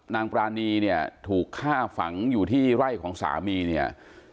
ปรานีเนี่ยถูกฆ่าฝังอยู่ที่ไร่ของสามีเนี่ย